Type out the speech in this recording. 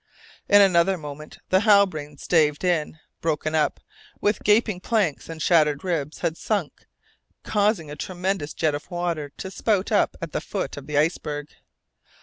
In another moment the Halbrane, staved in, broken up, with gaping planks and shattered ribs, had sunk, causing a tremendous jet of water to spout up at the foot of the iceberg.